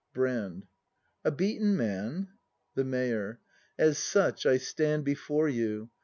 Brand. A beaten man ? The Mayor. As such I stand Before you.